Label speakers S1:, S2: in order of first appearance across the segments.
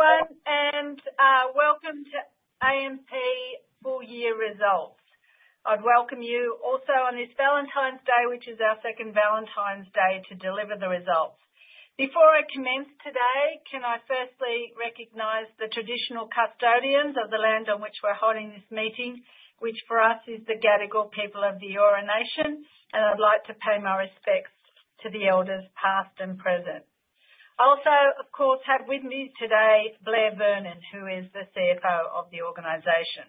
S1: Morning, everyone, and welcome to AMP full-year results. I'd welcome you also on this Valentine's Day, which is our second Valentine's Day, to deliver the results. Before I commence today, can I firstly recognize the traditional custodians of the land on which we're holding this meeting, which for is the Gadigal people of the Eora Nation, and I'd like to pay my respects to the elders past and present? I also, of course, have with me today Blair Vernon, who is the CFO of the organization.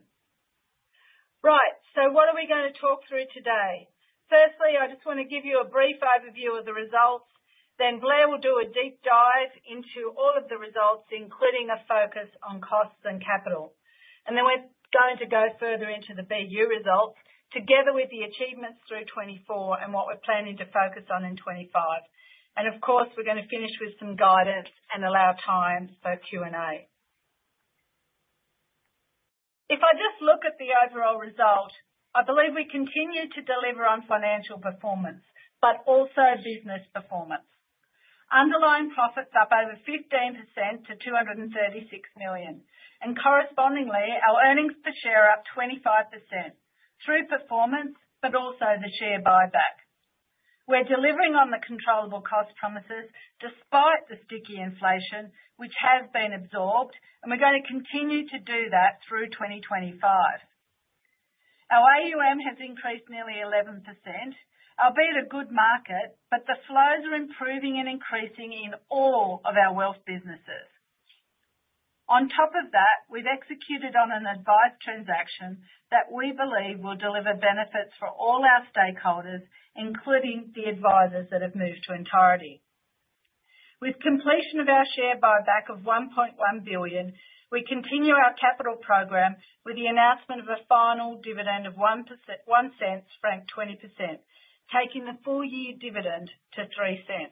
S1: Right, so what are we going to talk through today? Firstly, I jt want to give you a brief overview of the results, then Blair will do a deep dive into all of the results, including a focus on costs and capital. And then we're going to go further into the BU results, together with the achievements through 2024 and what we're planning to focus on in 2025. And of course, we're going to finish with some guidance and allow time for Q&A. If I just look at the overall result, I believe we continue to deliver on financial performance, but also business performance. Underlying profits up over 15% to 236 million, and correspondingly, our earnings per share up 25% through performance, but also the share buyback. We're delivering on the controllable cost promises despite the sticky inflation, which has been absorbed, and we're going to continue to do that through 2025. Our AUM has increased nearly 11%, albeit a good market, but the flows are improving and increasing in all of our wealth businesses. On top of that, we've executed on an advice transaction that we believe will deliver benefits for all our stakeholders, including the advisors that have moved to Entireti. With completion of our share buyback of 1.1 billion, we continue our capital program with the announcement of a final dividend of 0.01, franked 20%, taking the full-year dividend to 0.03.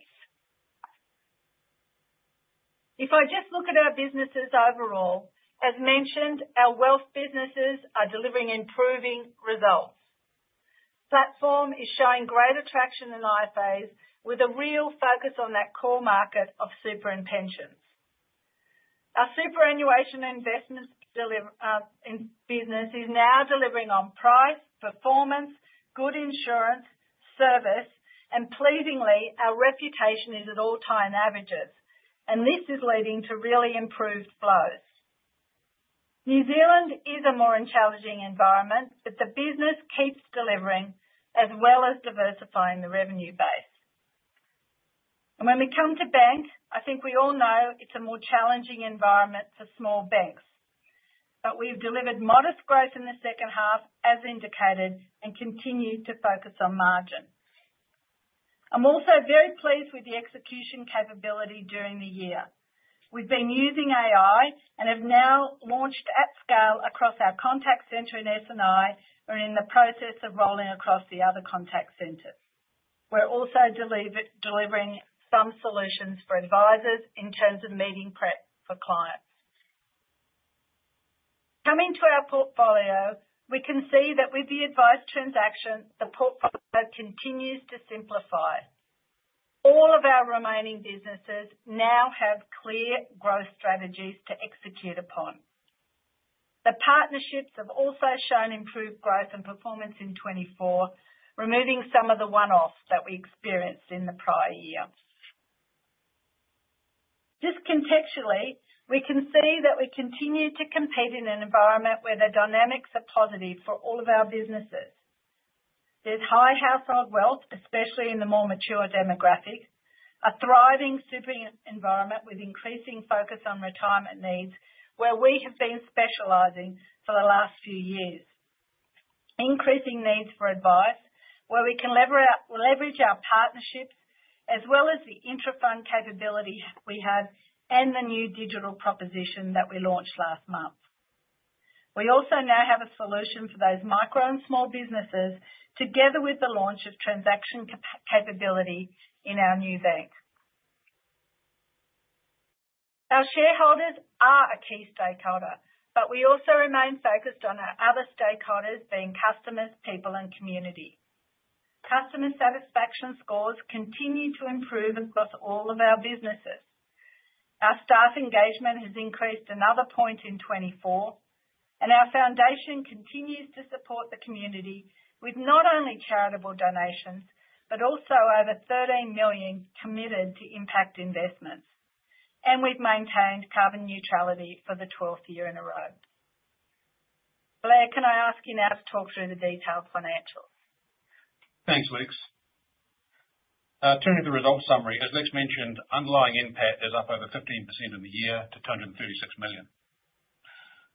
S1: If I just look at our businesses overall, as mentioned, our wealth businesses are delivering improving results. The platform is showing great attraction in IFAs, with a real focus on that core market of superannuation. Our superannuation investment business is now delivering on price, performance, good insurance, service, and pleasingly, our reputation is at all-time highs, and this is leading to really improved flows. New Zealand is a more intense environment, but the business keeps delivering as well as diversifying the revenue base. When we come to bank, I think we all know it's a more challenging environment for small banks, but we've delivered modest growth in the second half, as indicated, and continue to focus on margin. I'm also very pleased with the execution capability during the year. We've been using AI and have now launched at scale across our contact center in S&I, and we're in the process of rolling across the other contact centers. We're also delivering some solutions for advisors in terms of meeting prep for clients. Coming to our portfolio, we can see that with the advised transaction, the portfolio continues to simplify. All of our remaining businesses now have clear growth strategies to execute upon. The partnerships have also shown improved growth and performance in 2024, removing some of the one-offs that we experienced in the prior year. Just contextually, we can see that we continue to compete in an environment where the dynamics are positive for all of our businesses. There's high household wealth, especially in the more mature demographic, a thriving super environment with increasing focus on retirement needs, where we have been specializing for the last few years. Increasing needs for advice, where we can leverage our partnerships as well as the intra-fund capability we have and the new digital proposition that we launched last month. We also now have a solution for those micro and small businesses, together with the launch of transaction capability in our new bank. Our shareholders are a key stakeholder, but we also remain focused on our other stakeholders being customers, people, and community. Customer satisfaction scores continue to improve across all of our businesses. Our staff engagement has increased another point in 2024, and our foundation continues to support the community with not only charitable donations, but also over 13 million committed to impact investments, and we've maintained carbon neutrality for the 12th year in a row. Blair, can I ask you now to talk through the detailed financials?
S2: Thanks, Lex. Turning to the results summary, as Lex mentioned, underlying profit is up over 15% for the year to 236 million.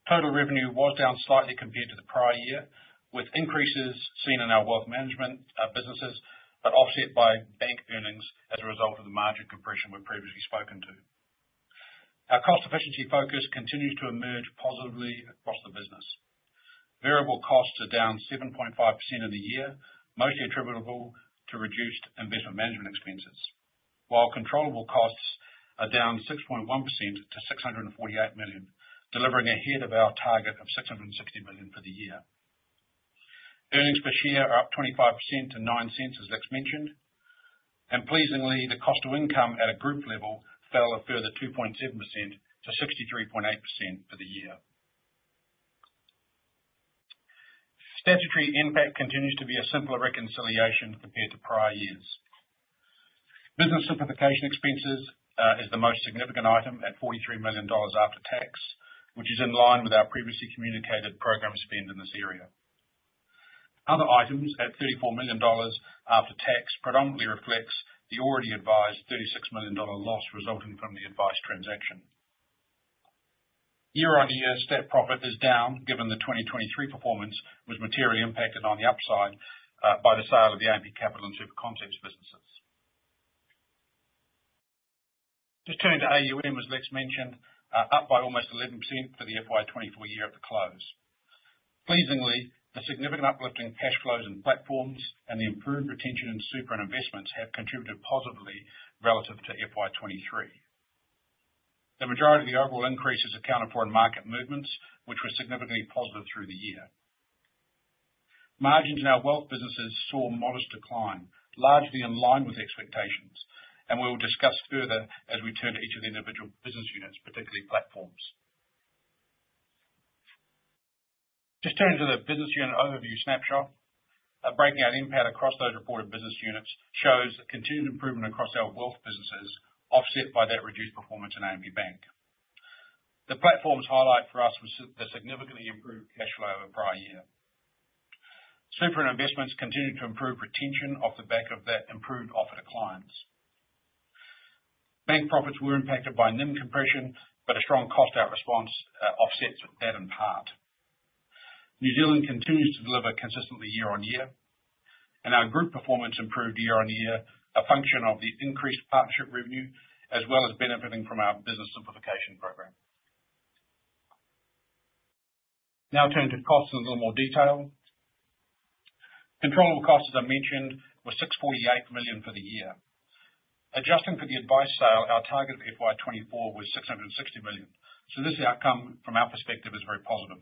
S2: Total revenue was down slightly compared to the prior year, with increases seen in our wealth management businesses, but offset by bank earnings as a result of the margin compression we've previously spoken to. Our cost efficiency focus continues to emerge positively across the business. Variable costs are down 7.5% for the year, mostly attributable to reduced investment management expenses, while controllable costs are down 6.1% to 648 million, delivering ahead of our target of 660 million for the year. Earnings per share are up 25% to 0.09, as Lex mentioned, and pleasingly, the cost to income at a group level fell a further 2.7%-63.8% for the year. Statutory profit continues to be a simpler reconciliation compared to prior years. Business simplification expenses is the most significant item at 43 million dollars after tax, which is in line with our previously communicated program spend in this area. Other items at 34 million dollars after tax predominantly reflect the already advised 36 million dollar loss resulting from the advised transaction. Year-on-year, stat profit is down given the 2023 performance was materially impacted on the upside by the sale of the AMP Capital and SuperConcepts businesses. Just turning to AUM, as Lex mentioned, up by almost 11% for the FY 2024 year at the close. Pleasingly, the significant uplift in cash flows and platforms and the improved retention in super and investments have contributed positively relative to FY 2023. The majority of the overall increase is accounted for in market movements, which were significantly positive through the year. Margins in our wealth businesses saw modest decline, largely in line with expectations, and we will discuss further as we turn to each of the individual business units, particularly platforms. Just turning to the business unit overview snapshot, a breakout impact across those reported business units shows continued improvement across our wealth businesses, offset by that reduced performance in AMP Bank. The platforms highlight for us the significantly improved cash flow over the prior year. Super and investments continue to improve retention off the back of that improved offer to clients. Bank profits were impacted by NIM compression, but a strong cost-out response offsets that in part. New Zealand continues to deliver consistently year on year, and our group performance improved year on year a function of the increased partnership revenue, as well as benefiting from our business simplification program. Now turning to costs in a little more detail. Controllable costs, as I mentioned, were 648 million for the year. Adjusting for the advised sale, our target for FY 2024 was 660 million, so this outcome from our perspective is very positive.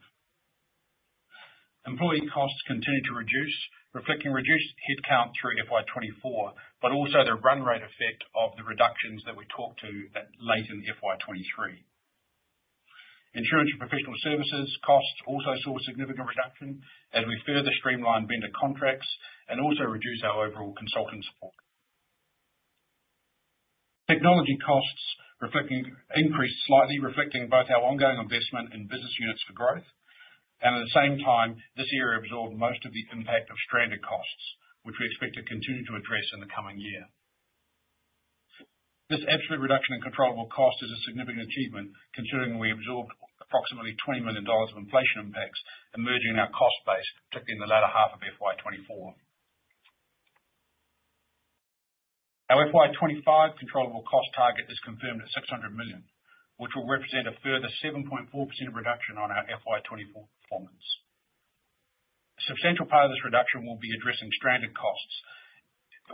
S2: Employee costs continue to reduce, reflecting reduced headcount through FY 2024, but also the run rate effect of the reductions that we talked to that late in FY 2023. Insurance and professional services costs also saw a significant reduction as we further streamlined vendor contracts and also reduced our overall consulting support. Technology costs increased slightly, reflecting both our ongoing investment in business units for growth, and at the same time, this year absorbed most of the impact of stranded costs, which we expect to continue to address in the coming year. This absolute reduction in controllable costs is a significant achievement, considering we absorbed approximately 20 million dollars of inflation impacts emerging in our cost base, particularly in the latter half of FY 2024. Our FY 2025 controllable cost target is confirmed at 600 million, which will represent a further 7.4% reduction on our FY 2024 performance. A substantial part of this reduction will be addressing stranded costs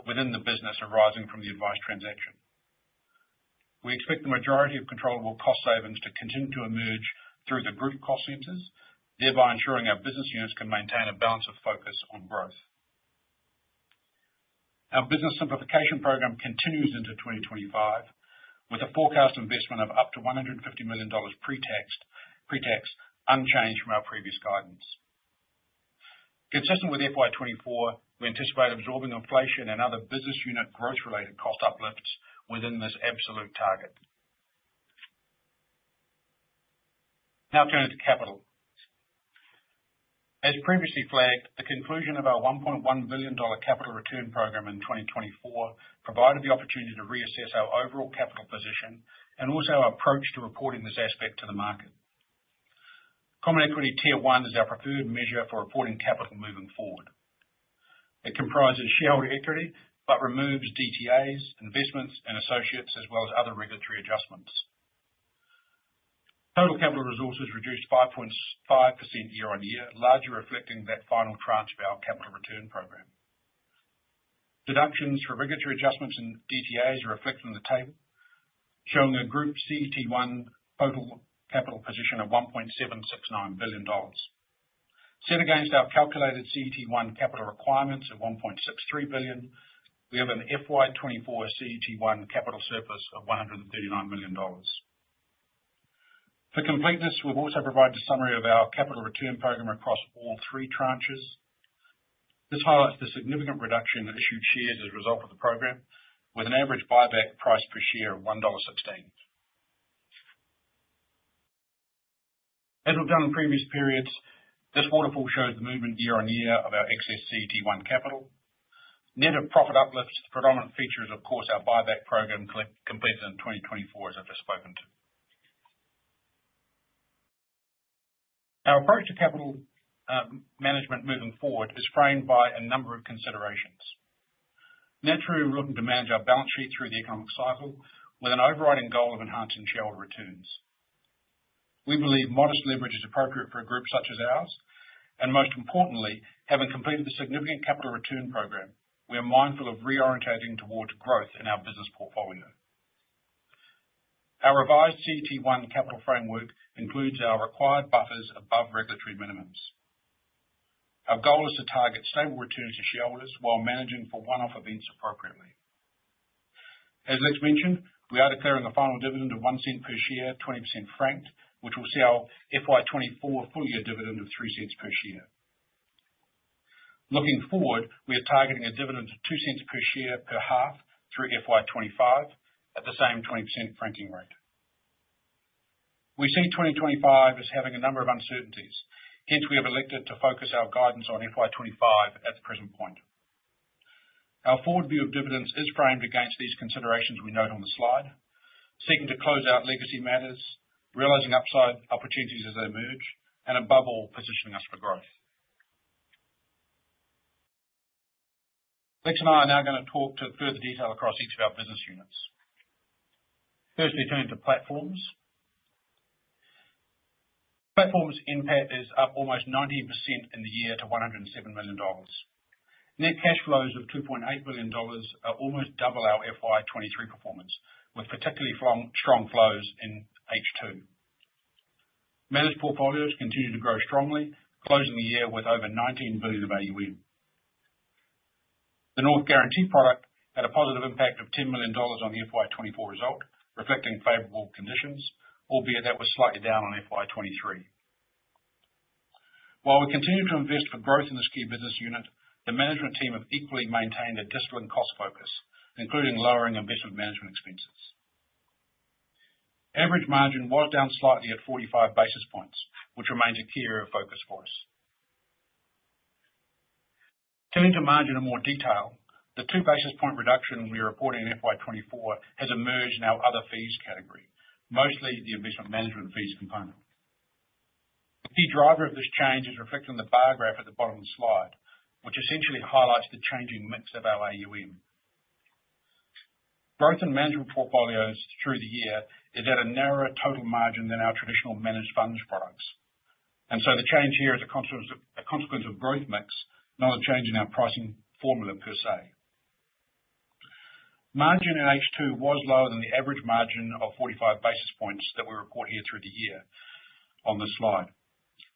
S2: within the business arising from the advised transaction. We expect the majority of controllable cost savings to continue to emerge through the group cost centers, thereby ensuring our business units can maintain a balance of focus on growth. Our business simplification program continues into 2025, with a forecast investment of up to 150 million dollars pretax unchanged from our previous guidance. Consistent with FY 2024, we anticipate absorbing inflation and other business unit growth-related cost uplifts within this absolute target. Now turning to capital. As previously flagged, the conclusion of our 1.1 billion dollar capital return program in 2024 provided the opportunity to reassess our overall capital position and also our approach to reporting this aspect to the market. Common Equity Tier 1 is our preferred measure for reporting capital moving forward. It comprises shareholder equity, but removes DTAs, investments, and associates, as well as other regulatory adjustments. Total capital resources reduced 5.5% year on year, largely reflecting that final tranche of our capital return program. Deductions for regulatory adjustments and DTAs are reflected in the table, showing a group CET1 total capital position of 1.769 billion dollars. Set against our calculated CET1 capital requirements of 1.63 billion, we have an FY 2024 CET1 capital surplus of 139 million dollars. For completeness, we've also provided a summary of our capital return program across all three tranches. This highlights the significant reduction in issued shares as a result of the program, with an average buyback price per share of 1.16 dollar. As we've done in previous periods, this waterfall shows the movement year on year of our excess CET1 capital. Net of profit uplifts, the predominant feature is, of course, our buyback program completed in 2024, as I've just spoken to. Our approach to capital management moving forward is framed by a number of considerations. Naturally, we're looking to manage our balance sheet through the economic cycle with an overriding goal of enhancing shareholder returns. We believe modest leverage is appropriate for a group such as ours, and most importantly, having completed the significant capital return program, we are mindful of reorientating towards growth in our business portfolio. Our revised CET1 capital framework includes our required buffers above regulatory minimums. Our goal is to target stable returns to shareholders while managing for one-off events appropriately. As Lex mentioned, we are declaring a final dividend of 0.01 per share, 20% franked, which will see our FY 2024 full-year dividend of 0.03 per share. Looking forward, we are targeting a dividend of 0.02 per share per half through FY 2025 at the same 20% franking rate. We see 2025 as having a number of uncertainties. Hence, we have elected to focus our guidance on FY 2025 at the present point. Our forward view of dividends is framed against these considerations we note on the slide, seeking to close out legacy matters, realizing upside opportunities as they emerge, and above all, positioning us for growth. Lex and I are now going to talk to further detail across each of our business units. Firstly, turning to platforms. Platforms' impact is up almost 19% in the year to 107 million dollars. Net cash flows of 2.8 billion dollars are almost double our FY 2023 performance, with particularly strong flows in H2. Managed portfolios continue to grow strongly, closing the year with over 19 billion of AUM. The North Guarantee product had a positive impact of AUD 10 million on the FY 2024 result, reflecting favorable conditions, albeit that was slightly down on FY 2023. While we continue to invest for growth in this key business unit, the management team have equally maintained a disciplined cost focus, including lowering investment management expenses. Average margin was down slightly at 45 basis points, which remains a key area of focus for us. Turning to margin in more detail, the two basis points reduction we are reporting in FY 2024 has emerged in our other fees category, mostly the investment management fees component. The key driver of this change is reflected in the bar graph at the bottom of the slide, which essentially highlights the changing mix of our AUM. Growth in management portfolios through the year is at a narrower total margin than our traditional managed funds products, and so the change here is a consequence of growth mix, not a change in our pricing formula per se. Margin in H2 was lower than the average margin of 45 basis points that we report here through the year on the slide.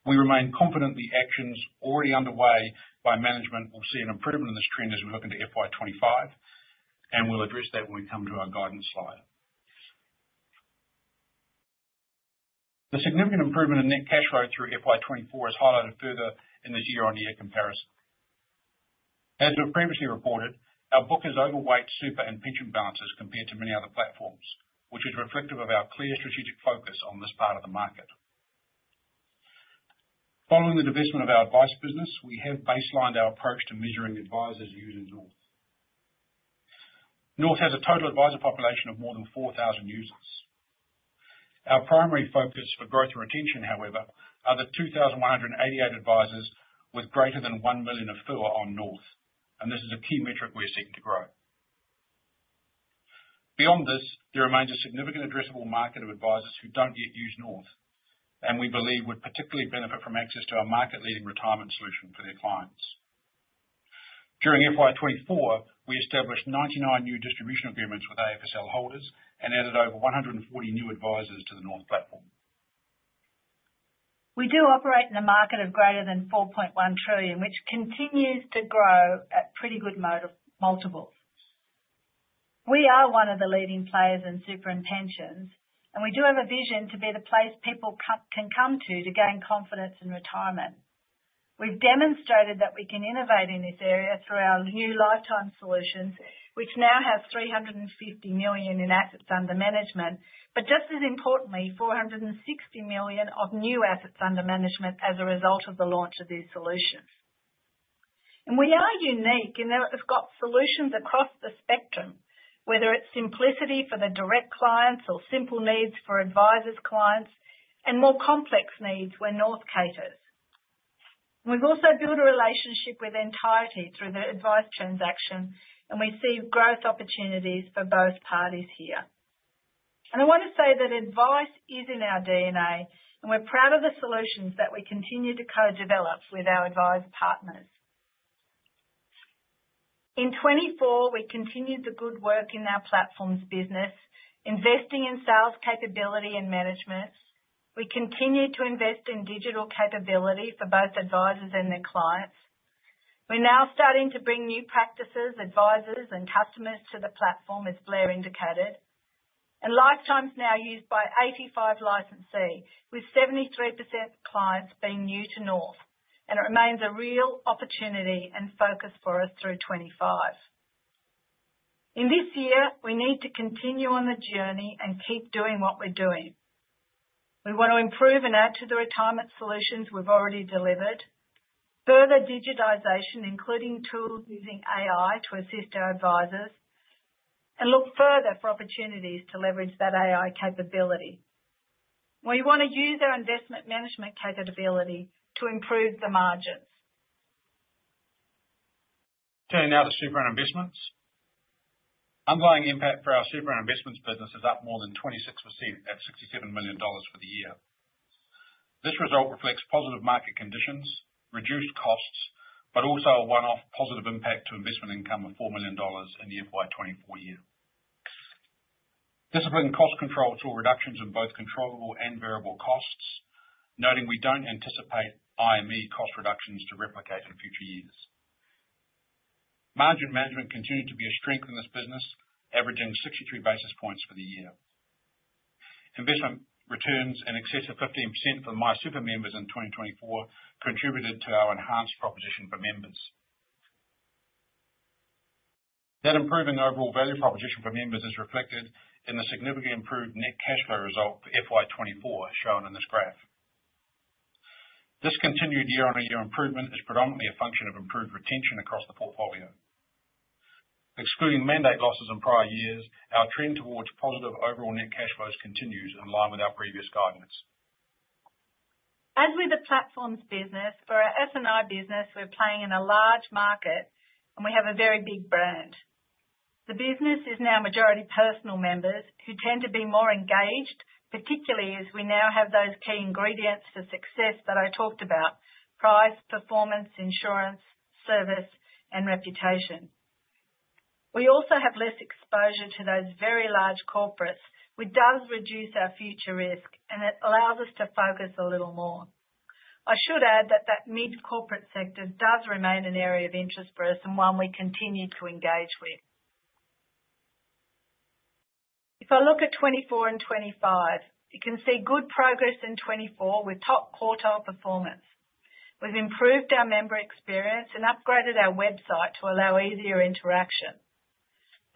S2: We remain confident the actions already underway by management will see an improvement in this trend as we look into FY 2025, and we'll address that when we come to our guidance slide. The significant improvement in net cash flow through FY 2024 is highlighted further in this year-on-year comparison. As we've previously reported, our book has overweighted super and pension balances compared to many other platforms, which is reflective of our clear strategic focus on this part of the market. Following the divestment of our advice business, we have baselined our approach to measuring advisors used in North. North has a total advisor population of more than 4,000 users. Our primary focus for growth and retention, however, are the 2,188 advisors with greater than 1 million of FUA on North, and this is a key metric we are seeking to grow. Beyond this, there remains a significant addressable market of advisors who don't yet use North, and we believe would particularly benefit from access to our market-leading retirement solution for their clients. During FY 2024, we established 99 new distribution agreements with AFSL holders and added over 140 new advisors to the North platform.
S1: We do operate in a market of greater than 4.1 trillion, which continues to grow at pretty good multiples. We are one of the leading players in superannuation, and we do have a vision to be the place people can come to to gain confidence in retirement. We've demonstrated that we can innovate in this area through our new lifetime solutions, which now have 350 million in assets under management, but just as importantly, 460 million of new assets under management as a result of the launch of these solutions, and we are unique in that we've got solutions across the spectrum, whether it's simplicity for the direct clients or simple needs for advisors' clients, and more complex needs where North caters. We've also built a relationship with Entireti through the advised transaction, and we see growth opportunities for both parties here. And I want to say that advice is in our D&A, and we're proud of the solutions that we continue to co-develop with our advised partners. In 2024, we continued the good work in our platforms business, investing in sales capability and management. We continue to invest in digital capability for both advisors and their clients. We're now starting to bring new practices, advisors, and customers to the platform, as Blair indicated, and Lifetime's now used by 85 licensees, with 73% of clients being new to North, and it remains a real opportunity and focus for us through 2025. In this year, we need to continue on the journey and keep doing what we're doing. We want to improve and add to the retirement solutions we've already delivered, further digitization, including tools using AI to assist our advisors, and look further for opportunities to leverage that AI capability. We want to use our investment management capability to improve the margins.
S2: Turning now to super and investments. Underlying impact for our super and investments business is up more than 26% at 67 million dollars for the year. This result reflects positive market conditions, reduced costs, but also a one-off positive impact to investment income of 4 million dollars in the FY 2024 year. Disciplined cost controls saw reductions in both controllable and variable costs, noting we don't anticipate IME cost reductions to replicate in future years. Margin management continued to be a strength in this business, averaging 63 basis points for the year. Investment returns in excess of 15% for MySuper members in 2024 contributed to our enhanced proposition for members. That improving overall value proposition for members is reflected in the significantly improved net cash flow result for FY 2024, shown in this graph. This continued year-on-year improvement is predominantly a function of improved retention across the portfolio. Excluding mandate losses in prior years, our trend towards positive overall net cash flows continues in line with our previous guidance.
S1: As with the platforms business, for our S&R business, we're playing in a large market, and we have a very big brand. The business is now majority personal members, who tend to be more engaged, particularly as we now have those key ingredients for success that I talked about: price, performance, insurance, service, and reputation. We also have less exposure to those very large corporates, which does reduce our future risk, and it allows us to focus a little more. I should add that that mid-corporate sector does remain an area of interest for us and one we continue to engage with. If I look at 2024 and 2025, you can see good progress in 2024 with top quartile performance. We've improved our member experience and upgraded our website to allow easier interaction.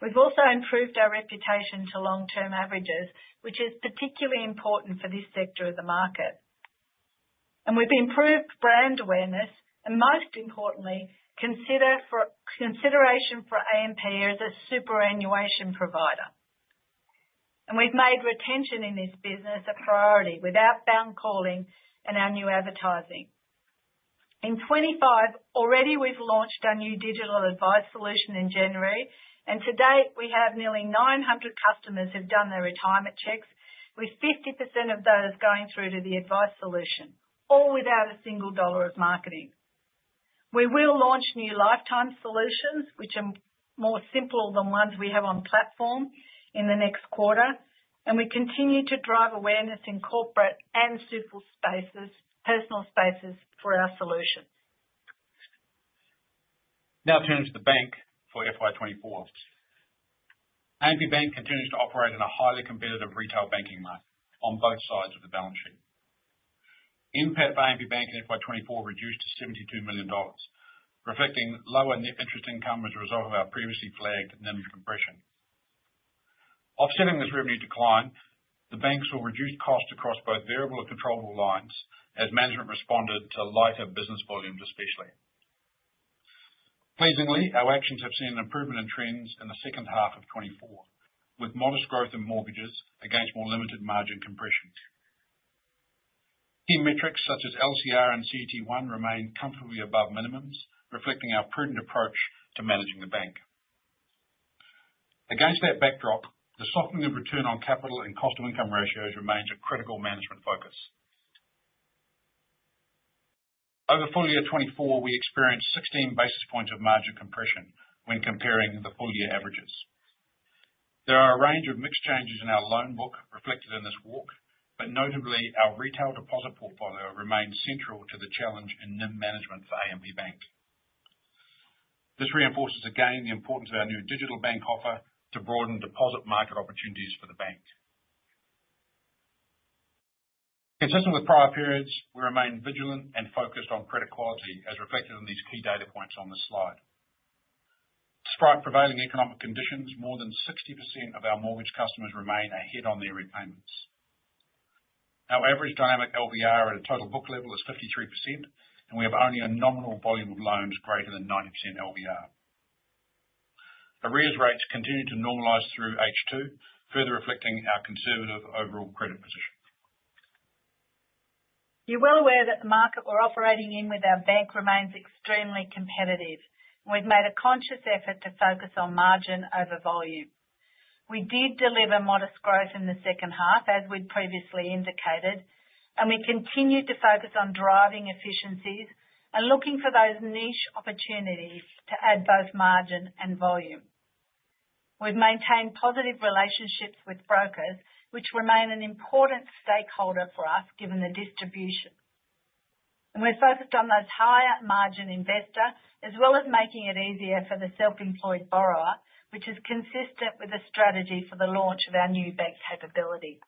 S1: We've also improved our reputation to long-term averages, which is particularly important for this sector of the market. And we've improved brand awareness, and most importantly, consideration for AMP as a superannuation provider. And we've made retention in this business a priority with outbound calling and our new advertising. In 2025, already we've launched our new digital advice solution in January, and to date, we have nearly 900 customers who have done their retirement checks, with 50% of those going through to the advice solution, all without a single dollar of marketing. We will launch new lifetime solutions, which are more simple than ones we have on platform, in the next quarter, and we continue to drive awareness in corporate and super spaces, personal spaces, for our solutions.
S2: Now, turning to the bank for FY 2024, AMP Bank continues to operate in a highly competitive retail banking market on both sides of the balance sheet. Impact for AMP Bank in FY 2024 reduced to 72 million dollars, reflecting lower net interest income as a result of our previously flagged NIM compression. Offsetting this revenue decline, the bank saw reduced costs across both variable and controllable lines as management responded to lighter business volumes, especially. Pleasingly, our actions have seen an improvement in trends in the second half of 2024, with modest growth in mortgages against more limited margin compression. Key metrics such as LCR and CET1 remain comfortably above minimums, reflecting our prudent approach to managing the bank. Against that backdrop, the softening of return on capital and cost of income ratios remains a critical management focus. Over full year 2024, we experienced 16 basis points of margin compression when comparing the full year averages. There are a range of mixed changes in our loan book reflected in this walk, but notably, our retail deposit portfolio remains central to the challenge in NIM management for AMP Bank. This reinforces again the importance of our new digital bank offer to broaden deposit market opportunities for the bank. Consistent with prior periods, we remain vigilant and focused on credit quality as reflected in these key data points on the slide. Despite prevailing economic conditions, more than 60% of our mortgage customers remain ahead on their repayments. Our average dynamic LVR at a total book level is 53%, and we have only a nominal volume of loans greater than 90% LVR. Arrears rates continue to normalize through H2, further reflecting our conservative overall credit position.
S1: You're well aware that the market we're operating in with our bank remains extremely competitive, and we've made a conscious effort to focus on margin over volume. We did deliver modest growth in the second half, as we'd previously indicated, and we continued to focus on driving efficiencies and looking for those niche opportunities to add both margin and volume. We've maintained positive relationships with brokers, which remain an important stakeholder for us given the distribution, and we're focused on those higher margin investors, as well as making it easier for the self-employed borrower, which is consistent with the strategy for the launch of our new bank capability.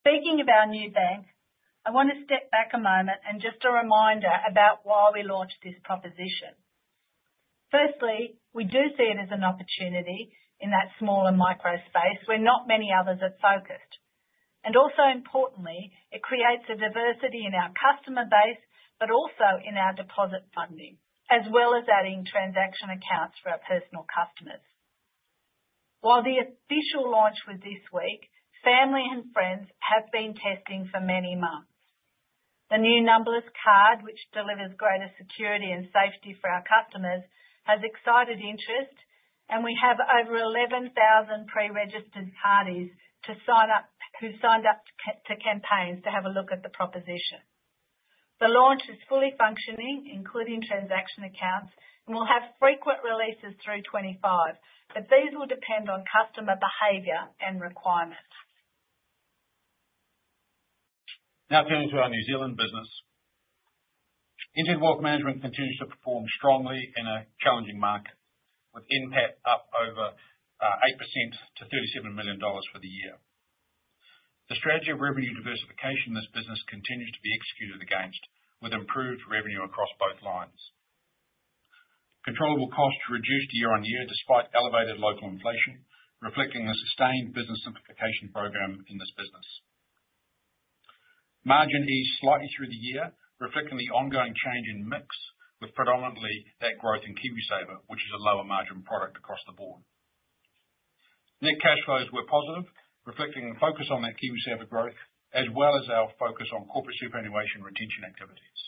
S1: Speaking of our new bank, I want to step back a moment and just a reminder about why we launched this proposition. Firstly, we do see it as an opportunity in that small and micro space where not many others have focused, and also importantly, it creates a diversity in our customer base, but also in our deposit funding, as well as adding transaction accounts for our personal customers. While the official launch was this week, family and friends have been testing for many months. The new Numberless Card, which delivers greater security and safety for our customers, has excited interest, and we have over 11,000 pre-registered parties who signed up to campaigns to have a look at the proposition. The launch is fully functioning, including transaction accounts, and we'll have frequent releases through 2025, but these will depend on customer behavior and requirements.
S2: Now, turning to our New Zealand business, AMP Wealth Management continues to perform strongly in a challenging market, with EBIT up over 8% to 37 million dollars for the year. The strategy of revenue diversification in this business continues to be executed against, with improved revenue across both lines. Controllable costs reduced year-on-year despite elevated local inflation, reflecting a sustained business simplification program in this business. Margin eased slightly through the year, reflecting the ongoing change in mix, with predominantly that growth in KiwiSaver, which is a lower margin product across the board. Net cash flows were positive, reflecting a focus on that KiwiSaver growth, as well as our focus on corporate superannuation retention activities.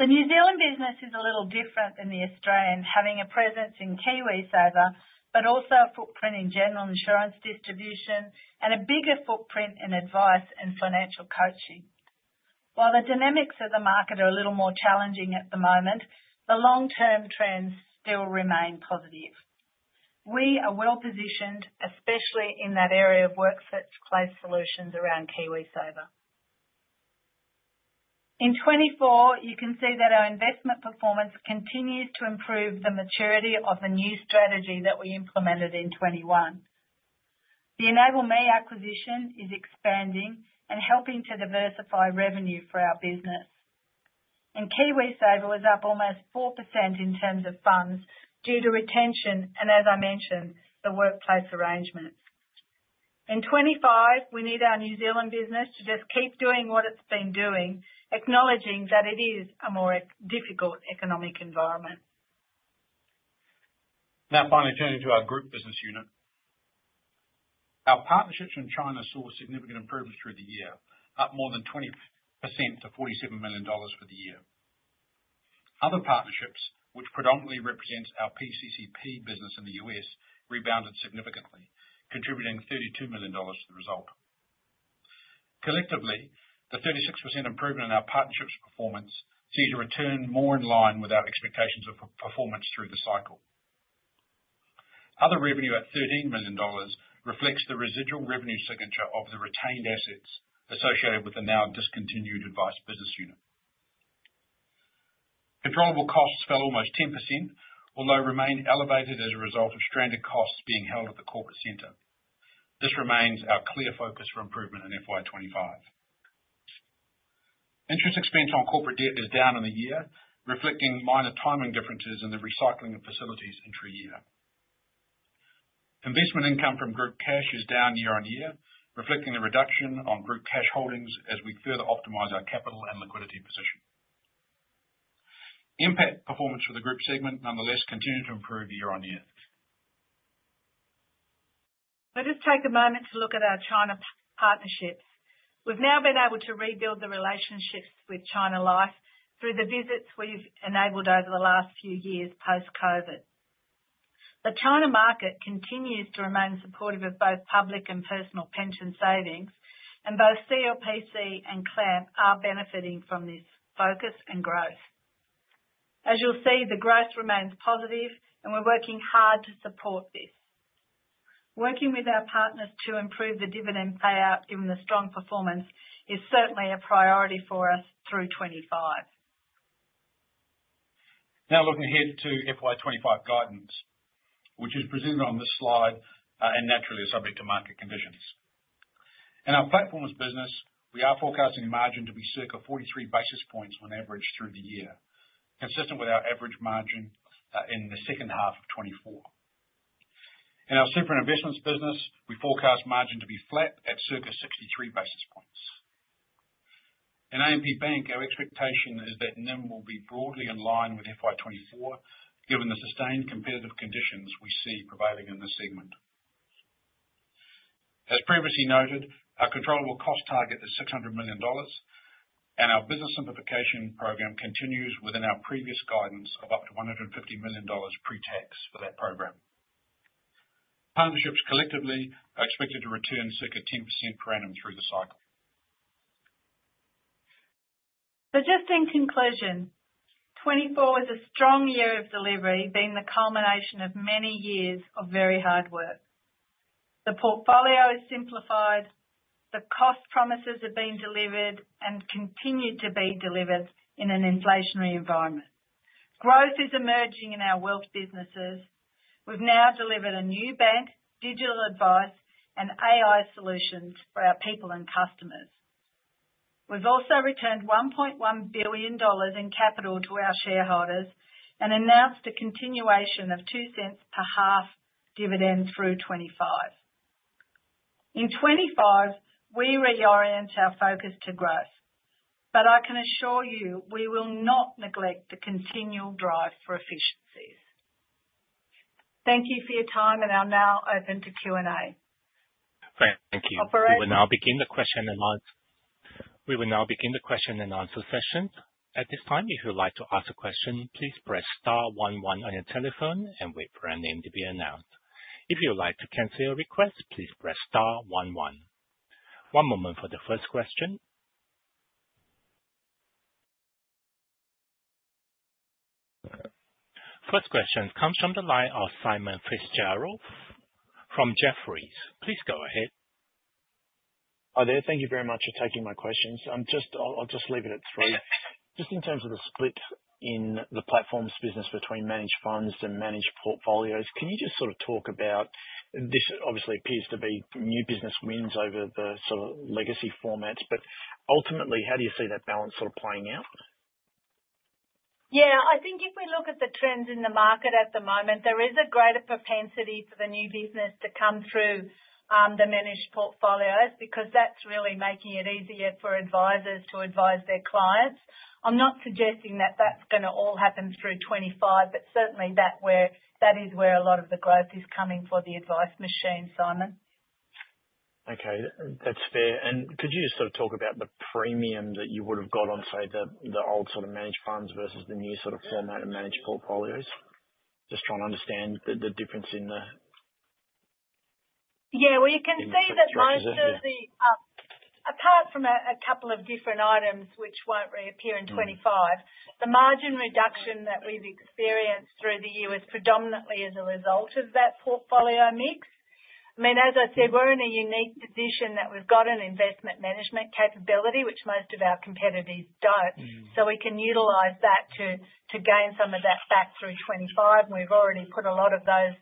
S1: The New Zealand business is a little different than the Australian, having a presence in KiwiSaver, but also a footprint in general insurance distribution and a bigger footprint in advice and financial coaching. While the dynamics of the market are a little more challenging at the moment, the long-term trends still remain positive. We are well positioned, especially in that area of work that's closed solutions around KiwiSaver. In 2024, you can see that our investment performance continues to improve the maturity of the new strategy that we implemented in 2021. The EnableMe acquisition is expanding and helping to diversify revenue for our business. And KiwiSaver was up almost 4% in terms of funds due to retention and, as I mentioned, the workplace arrangements. In 2025, we need our New Zealand business to just keep doing what it's been doing, acknowledging that it is a more difficult economic environment.
S2: Now, finally, turning to our group business unit. Our partnerships in China saw significant improvements through the year, up more than 20% to 47 million dollars for the year. Other partnerships, which predominantly represent our PCCP business in the U.S., rebounded significantly, contributing 32 million dollars to the result. Collectively, the 36% improvement in our partnerships performance seems to return more in line with our expectations of performance through the cycle. Other revenue at 13 million dollars reflects the residual revenue signature of the retained assets associated with the now discontinued advice business unit. Controllable costs fell almost 10%, although remained elevated as a result of stranded costs being held at the corporate center. This remains our clear focus for improvement in FY 2025. Interest expense on corporate debt is down in the year, reflecting minor timing differences in the recycling of facilities entry year. Investment income from group cash is down year-on-year, reflecting the reduction on group cash holdings as we further optimize our capital and liquidity position. Impact performance for the group segment nonetheless continues to improve year-on-year.
S1: Let us take a moment to look at our China partnerships. We've now been able to rebuild the relationships with China Life through the visits we've enabled over the last few years post-COVID. The China market continues to remain supportive of both public and personal pension savings, and both CLPC and CLAMP are benefiting from this focus and growth. As you'll see, the growth remains positive, and we're working hard to support this. Working with our partners to improve the dividend payout given the strong performance is certainly a priority for us through 2025.
S2: Now, looking ahead to FY 2025 guidance, which is presented on this slide and naturally subject to market conditions. In our platforms business, we are forecasting margin to be circa 43 basis points on average through the year, consistent with our average margin in the second half of 2024. In our super investments business, we forecast margin to be flat at circa 63 basis points. In AMP Bank, our expectation is that NIM will be broadly in line with FY 2024, given the sustained competitive conditions we see prevailing in this segment. As previously noted, our controllable cost target is 600 million dollars, and our business simplification program continues within our previous guidance of up to 150 million dollars pre-tax for that program. Partnerships collectively are expected to return circa 10% per annum through the cycle,
S1: So just in conclusion, 2024 was a strong year of delivery, being the culmination of many years of very hard work. The portfolio is simplified, the cost promises have been delivered and continue to be delivered in an inflationary environment. Growth is emerging in our wealth businesses. We've now delivered a new bank, digital advice, and AI solutions for our people and customers. We've also returned 1.1 billion dollars in capital to our shareholders and announced a continuation of 0.02 per half dividend through 2025. In 2025, we reorient our focus to growth, but I can assure you we will not neglect the continual drive for efficiencies. Thank you for your time, and I'll now open to Q&A.
S3: Thank you. We will now begin the question and answer session. At this time, if you'd like to ask a question, please press star 11 on your telephone and wait for your name to be announced. If you'd like to cancel your request, please press star 11. One moment for the first question. First question comes from the line of Simon Fitzgerald from Jefferies. Please go ahead.
S4: Hi there. Thank you very much for taking my questions. I'll just leave it at three. Just in terms of the split in the platforms business between managed funds and managed portfolios, can you just sort of talk about this? Obviously, it appears to be new business wins over the sort of legacy formats, but ultimately, how do you see that balance sort of playing out?
S1: Yeah, I think if we look at the trends in the market at the moment, there is a greater propensity for the new business to come through the managed portfolios because that's really making it easier for advisors to advise their clients. I'm not suggesting that that's going to all happen through 2025, but certainly that is where a lot of the growth is coming for the advice machine, Simon.
S4: Okay, that's fair. Could you just sort of talk about the premium that you would have got on, say, the old sort of managed funds versus the new sort of format of managed portfolios? Just trying to understand the difference in the...
S1: Yeah, well, you can see that most of the, apart from a couple of different items which won't reappear in 2025, the margin reduction that we've experienced through the year was predominantly as a result of that portfolio mix. I mean, as I said, we're in a unique position that we've got an investment management capability, which most of our competitors don't, so we can utilize that to gain some of that back through 2025. We've already put a lot of those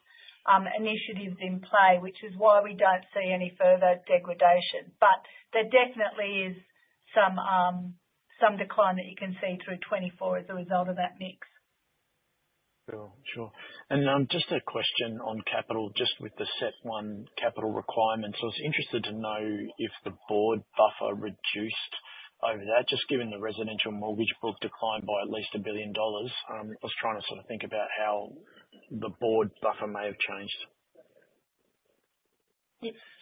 S1: initiatives in play, which is why we don't see any further degradation. But there definitely is some decline that you can see through 2024 as a result of that mix.
S4: Sure. And just a question on capital, just with the SEP1 capital requirements. I was interested to know if the board buffer reduced over that, just given the residential mortgage book decline by at least 1 billion dollars. I was trying to sort of think about how the board buffer may have changed.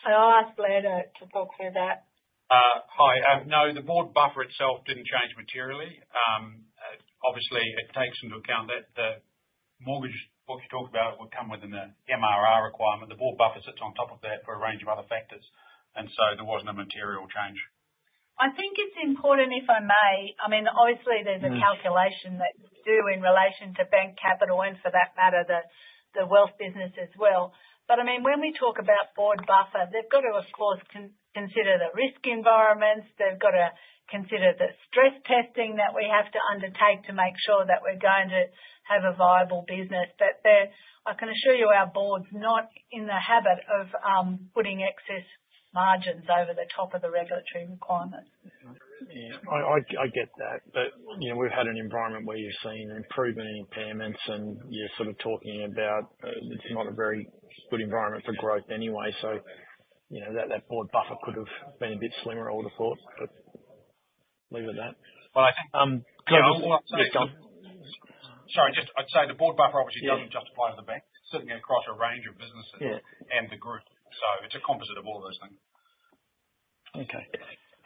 S1: I'll ask Blair to talk through that.
S2: Hi. No, the board buffer itself didn't change materially. Obviously, it takes into account that the mortgage, what you talked about, would come within the MR requirement. The board buffer sits on top of that for a range of other factors, and so there wasn't a material change.
S1: I think it's important, if I may.I mean, obviously, there's a calculation that you do in relation to bank capital and, for that matter, the wealth business as well. But I mean, when we talk about board buffer, they've got to, of course, consider the risk environments. They've got to consider the stress testing that we have to undertake to make sure that we're going to have a viable business. But I can assure you our board's not in the habit of putting excess margins over the top of the regulatory requirements.
S4: I get that. But we've had an environment where you've seen improvement in impairments, and you're sort of talking about it's not a very good environment for growth anyway, so that board buffer could have been a bit slimmer or the thought, but leave it at that.
S2: Well, I think. Sorry, just I'd say the board buffer obviously doesn't justify the bank. It's certainly across a range of businesses and the group, so it's a composite of all those things.
S4: Okay.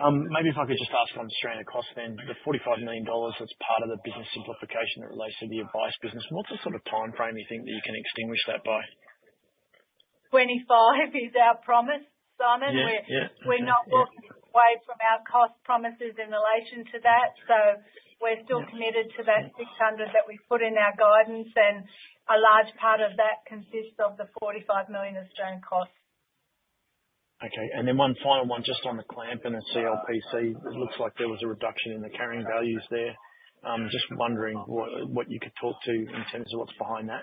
S4: Maybe if I could just ask on the stranded cost, then, the 45 million dollars that's part of the business simplification that relates to the advice business, what's the sort of timeframe you think that you can extinguish that by?
S1: 2025 is our promise, Simon. We're not walking away from our cost promises in relation to that, so we're still committed to that 600 that we've put in our guidance, and a large part of that consists of the 45 million in stranded costs.
S4: Okay. And then one final one, just on the CLAMP and the CLPC, it looks like there was a reduction in the carrying values there. Just wondering what you could talk to in terms of what's behind that.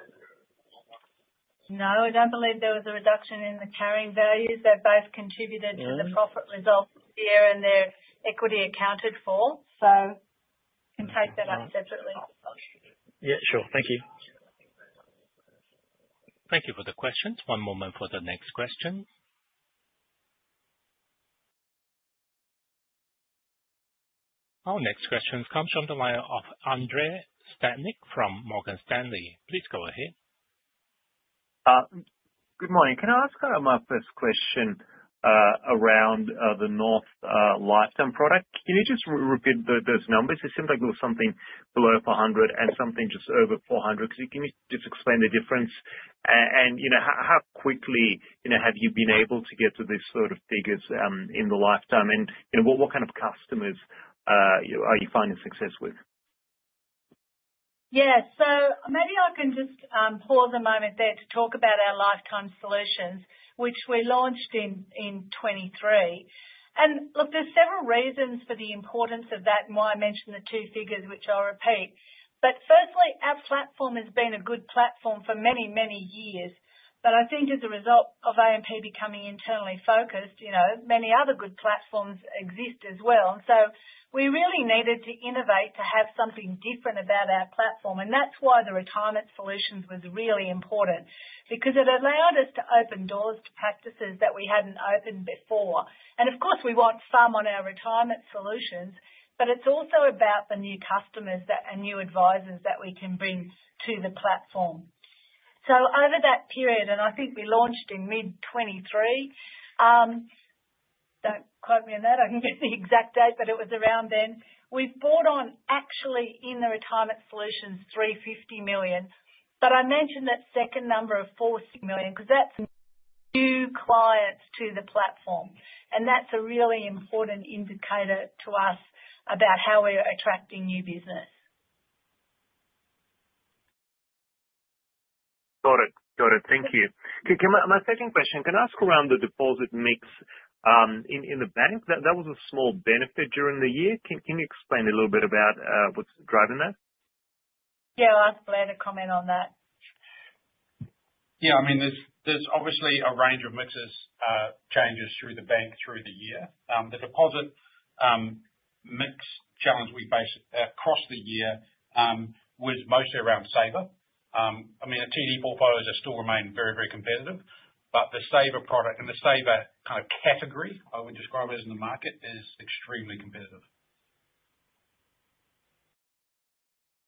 S1: No, I don't believe there was a reduction in the carrying values. They've both contributed to the profit result here and their equity accounted for, so I can take that up separately.
S4: Yeah, sure. Thank you.
S3: Thank you for the questions. One moment for the next question. Our next question comes from the line of Andrei Stadnik from Morgan Stanley. Please go ahead.
S5: Good morning. Can I ask my first question around the North Lifetime product? Can you just repeat those numbers? It seemed like there was something below 400 and something just over 400. Can you just explain the difference? And how quickly have you been able to get to these sort of figures in the lifetime? And what kind of customers are you finding success with?
S1: Yeah, so maybe I can just pause a moment there to talk about our lifetime solutions, which we launched in 2023. And look, there's several reasons for the importance of that and why I mentioned the two figures, which I'll repeat. But firstly, our platform has been a good platform for many, many years. But I think as a result of AMP becoming internally focused, many other good platforms exist as well. And so we really needed to innovate to have something different about our platform. And that's why the retirement solutions was really important, because it allowed us to open doors to practices that we hadn't opened before. And of course, we want some on our retirement solutions, but it's also about the new customers and new advisors that we can bring to the platform. So over that period, and I think we launched in mid-2023. Don't quote me on that. I can get the exact date, but it was around then. We've brought on, actually, in the retirement solutions, 350 million. But I mentioned that second number of 450 million because that's new clients to the platform, and that's a really important indicator to us about how we're attracting new business.
S5: Got it. Got it. Thank you. My second question, can I ask around the deposit mix in the bank? That was a small benefit during the year. Can you explain a little bit about what's driving that?
S1: Yeah, I'll ask Blair to comment on that.
S2: Yeah, I mean, there's obviously a range of mixes, changes through the bank through the year. The deposit mix challenge we faced across the year was mostly around saver. I mean, the TD portfolios still remain very, very competitive, but the saver product and the saver kind of category, I would describe it as in the market, is extremely competitive.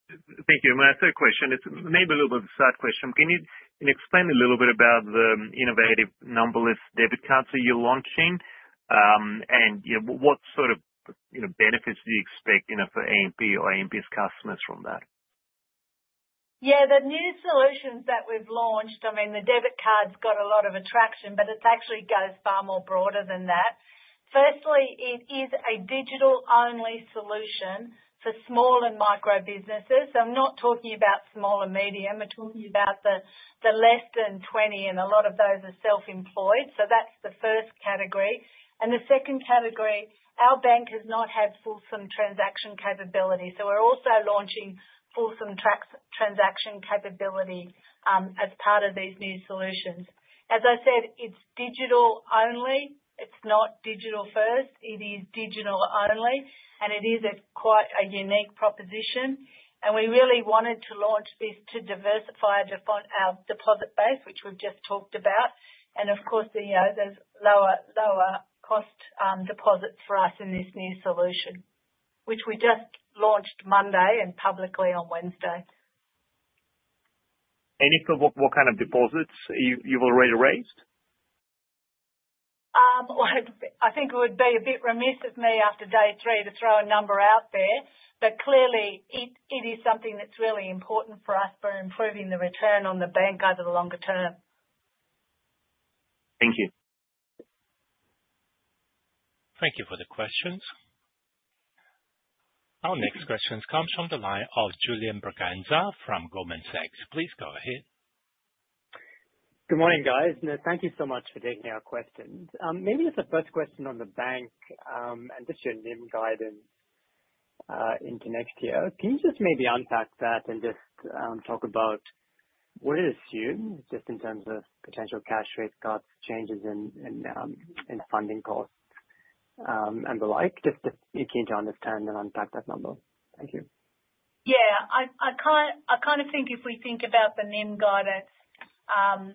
S5: Thank you. My third question is maybe a little bit of a side question. Can you explain a little bit about the innovative Numberless debit cards that you're launching and what sort of benefits do you expect for AMP or AMP's customers from that?
S1: Yeah, the new solutions that we've launched, I mean, the debit card's got a lot of attraction, but it actually goes far more broader than that. Firstly, it is a digital-only solution for small and micro businesses. So I'm not talking about small and medium. We're talking about the less than 20, and a lot of those are self-employed. So that's the first category. And the second category, our bank has not had fulsome transaction capability. So we're also launching fulsome transaction capability as part of these new solutions. As I said, it's digital-only. It's not digital-first. It is digital-only, and it is quite a unique proposition. We really wanted to launch this to diversify our deposit base, which we've just talked about. Of course, there's lower cost deposits for us in this new solution, which we just launched Monday and publicly on Wednesday. If so, what kind of deposits you've already raised? I think it would be a bit remiss of me after day three to throw a number out there, but clearly, it is something that's really important for us for improving the return on the bank over the longer term.
S5: Thank you.
S3: Thank you for the questions. Our next questions come from the line of Julian Braganza from Goldman Sachs. Please go ahead.
S6: Good morning, guys. Thank you so much for taking our questions. Maybe it's a first question on the bank and just your NIM guidance into next year. Can you just maybe unpack that and just talk about what it assumes just in terms of potential cash rate cuts, changes in funding costs, and the like, just to keep you on the stand and unpack that number? Thank you.
S1: Yeah, I kind of think if we think about the NIM guidance, I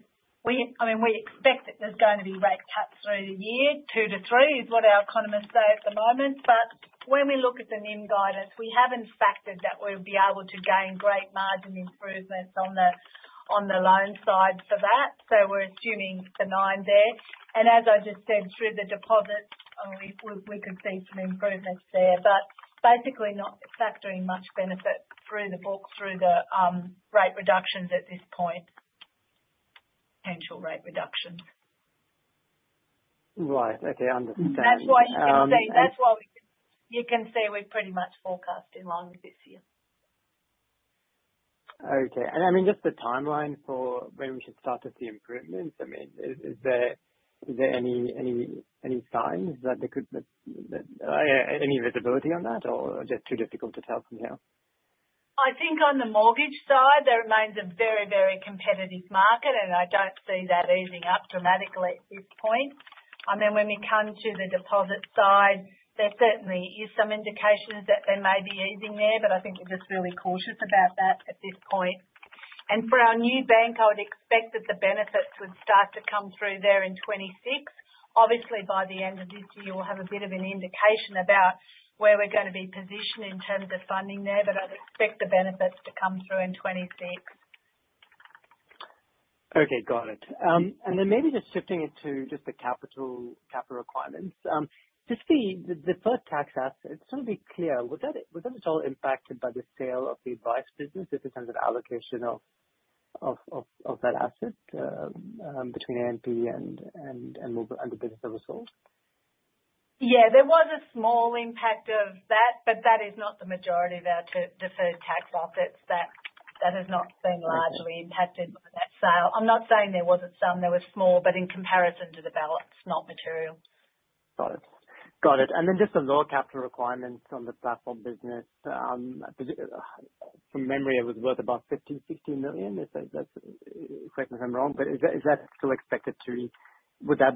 S1: mean, we expect that there's going to be rate cuts through the year, two to three, is what our economists say at the moment. But when we look at the NIM guidance, we haven't factored that we'll be able to gain great margin improvements on the loan side for that. So we're assuming the nine there. And as I just said, through the deposits, we could see some improvements there, but basically not factoring much benefit through the book, through the rate reductions at this point, potential rate reductions.
S6: Right. Okay. I understand.
S1: That's why you can see we've pretty much forecast in line with this year.
S6: Okay, and I mean, just the timeline for when we should start to see improvements. I mean, is there any signs that there could be any visibility on that or just too difficult to tell from here?
S1: I think on the mortgage side, there remains a very, very competitive market, and I don't see that easing up dramatically at this point. I mean, when we come to the deposit side, there certainly is some indications that there may be easing there, but I think we're just really cautious about that at this point, and for our new bank, I would expect that the benefits would start to come through there in 2026. Obviously, by the end of this year, we'll have a bit of an indication about where we're going to be positioned in terms of funding there, but I'd expect the benefits to come through in 2026.
S6: Okay. Got it. And then maybe just shifting into just the capital requirements, just the deferred tax asset, just to be clear, was that at all impacted by the sale of the advice business in terms of allocation of that asset between AMP and the business that was sold?
S1: Yeah, there was a small impact of that, but that is not the majority of our deferred tax assets. That has not been largely impacted by that sale. I'm not saying there wasn't some. There was small, but in comparison to the balance, not material.
S6: Got it. Got it. And then just the lower capital requirements on the platform business, from memory, it was worth about 15 million-16 million. If that's correct, if I'm wrong, but is that still expected to be? Would that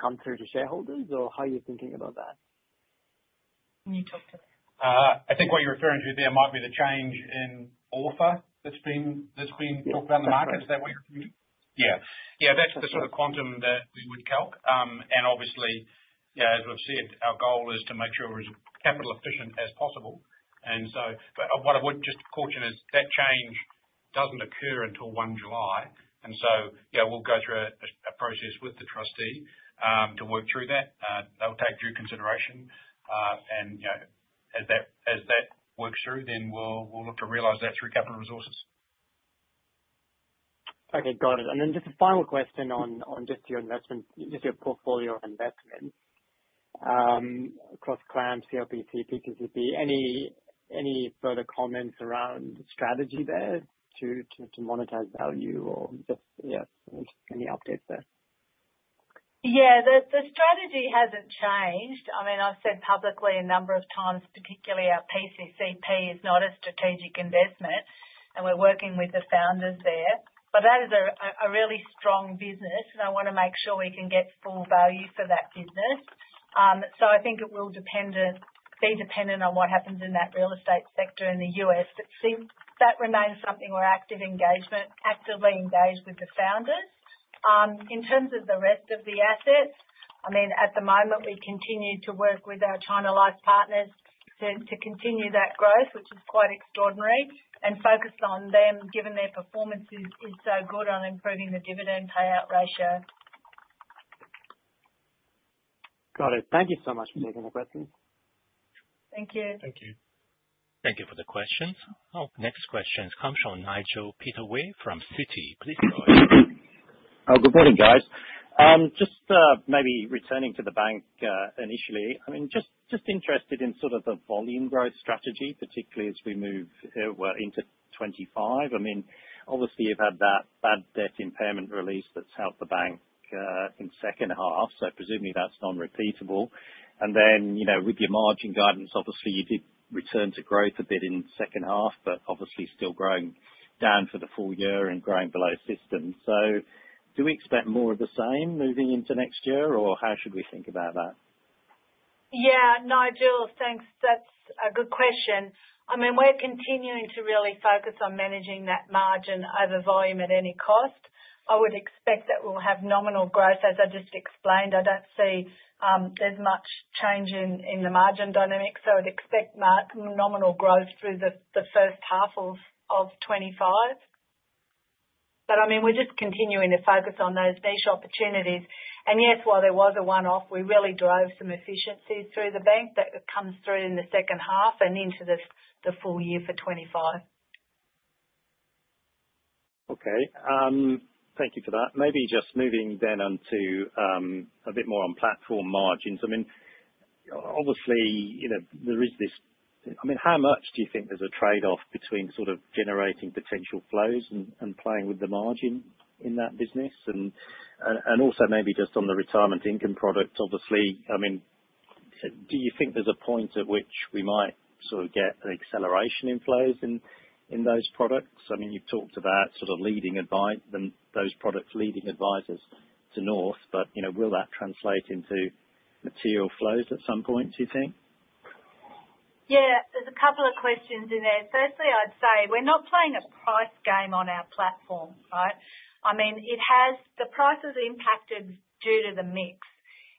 S6: come through to shareholders, or how are you thinking about that? Can you talk to that?
S2: I think what you're referring to there might be the change in offer that's been talked about in the market. Is that what you're referring to? Yeah. Yeah, that's the sort of quantum that we would calc. And obviously, as we've said, our goal is to make sure we're as capital efficient as possible. And so what I would just caution is that change doesn't occur until 1 July. And so we'll go through a process with the trustee to work through that. That'll take due consideration. As that works through, then we'll look to realize that through capital resources.
S6: Okay. Got it. And then just a final question on just your investment, just your portfolio of investments across CLAMP, CLPC, PCCP. Any further comments around strategy there to monetize value or just, yeah, any updates there?
S1: Yeah, the strategy hasn't changed. I mean, I've said publicly a number of times, particularly our PCCP is not a strategic investment, and we're working with the founders there. But that is a really strong business, and I want to make sure we can get full value for that business. So I think it will be dependent on what happens in that real estate sector in the U.S. But that remains something we're actively engaged with the founders. In terms of the rest of the assets, I mean, at the moment, we continue to work with our China Life partners to continue that growth, which is quite extraordinary, and focus on them, given their performance is so good on improving the dividend payout ratio.
S6: Got it. Thank you so much for taking the questions.
S1: Thank you.
S2: Thank you.
S3: Thank you for the questions. Our next questions come from Nigel Pittaway from Citi. Please go ahead.
S7: Good morning, guys. Just maybe returning to the bank initially, I mean, just interested in sort of the volume growth strategy, particularly as we move into 2025. I mean, obviously, you've had that bad debt impairment release that's helped the bank in second half. So presumably, that's non-repeatable. With your margin guidance, obviously, you did return to growth a bit in second half, but obviously still growing down for the full year and growing below system. So do we expect more of the same moving into next year, or how should we think about that?
S1: Yeah. Nigel, thanks. That's a good question. I mean, we're continuing to really focus on managing that margin over volume at any cost. I would expect that we'll have nominal growth. As I just explained, I don't see as much change in the margin dynamic. So I'd expect nominal growth through the first half of 2025. But I mean, we're just continuing to focus on those niche opportunities. And yes, while there was a one-off, we really drove some efficiencies through the bank that comes through in the second half and into the full year for 2025.
S7: Okay. Thank you for that. Maybe just moving then on to a bit more on platform margins. I mean, obviously, there is this I mean, how much do you think there's a trade-off between sort of generating potential flows and playing with the margin in that business? And also maybe just on the retirement income product, obviously, I mean, do you think there's a point at which we might sort of get an acceleration in flows in those products? I mean, you've talked about sort of leading those products, leading advisors to North, but will that translate into material flows at some point, do you think?
S1: Yeah, there's a couple of questions in there. Firstly, I'd say we're not playing a price game on our platform, right? I mean, the price has impacted due to the mix.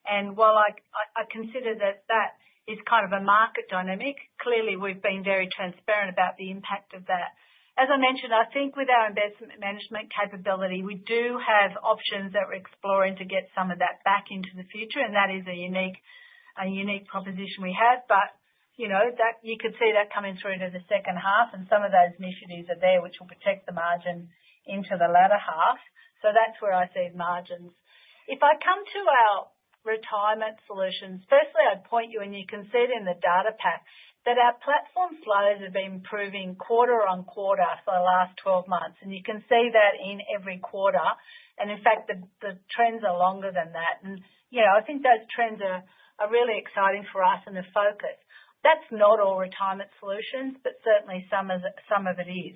S1: And while I consider that that is kind of a market dynamic, clearly, we've been very transparent about the impact of that. As I mentioned, I think with our investment management capability, we do have options that we're exploring to get some of that back into the future. And that is a unique proposition we have. But you could see that coming through into the second half. And some of those initiatives are there, which will protect the margin into the latter half. So that's where I see margins. If I come to our retirement solutions, firstly, I'd point you, and you can see it in the data pack, that our platform flows have been improving quarter on quarter for the last 12 months. And you can see that in every quarter. And in fact, the trends are longer than that. I think those trends are really exciting for us and the focus. That's not all retirement solutions, but certainly, some of it is.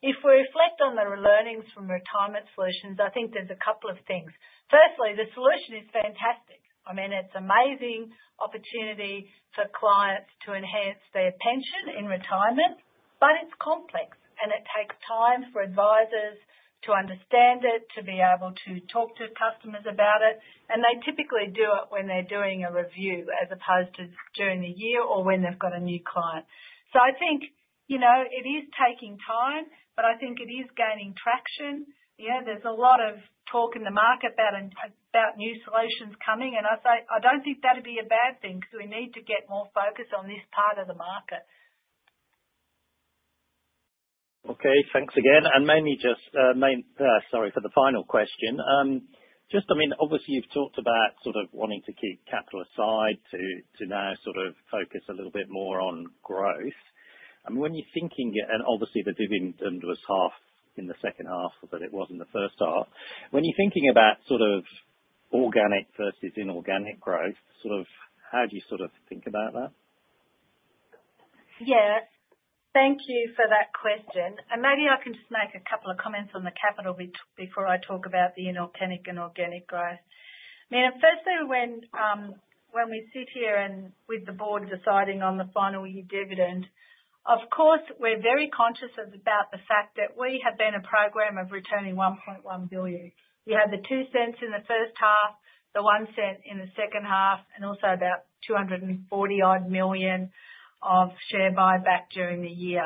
S1: If we reflect on the learnings from retirement solutions, I think there's a couple of things. Firstly, the solution is fantastic. I mean, it's an amazing opportunity for clients to enhance their pension in retirement, but it's complex, and it takes time for advisors to understand it, to be able to talk to customers about it. They typically do it when they're doing a review as opposed to during the year or when they've got a new client. I think it is taking time, but I think it is gaining traction. There's a lot of talk in the market about new solutions coming. I don't think that would be a bad thing because we need to get more focus on this part of the market.
S7: Okay. Thanks again. Mainly just sorry for the final question. Just, I mean, obviously, you've talked about sort of wanting to keep capital aside to now sort of focus a little bit more on growth. I mean, when you're thinking and obviously, the dividend was half in the second half, but it wasn't the first half. When you're thinking about sort of organic versus inorganic growth, sort of how do you sort of think about that?
S1: Yeah. Thank you for that question. Maybe I can just make a couple of comments on the capital before I talk about the inorganic and organic growth. I mean, firstly, when we sit here and with the board deciding on the final year dividend, of course, we're very conscious about the fact that we have been a program of returning 1.1 billion. We had the 0.02 in the first half, the 0.01 in the second half, and also about 240 million of share buyback during the year.